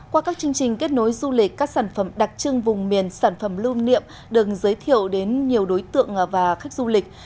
qua các chương trình kết nối du lịch các sản phẩm đặc trưng vùng miền sản phẩm lưu niệm được giới thiệu đến nhiều đối tượng và khách du lịch